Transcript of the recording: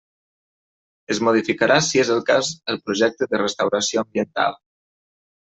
Es modificarà si és el cas el projecte de restauració ambiental.